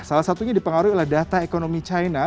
salah satunya dipengaruhi oleh data ekonomi china